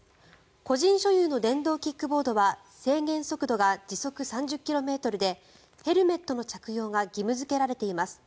個人所有の電動キックボードは制限速度が時速３０ｋｍでヘルメットの着用が義務付けられています。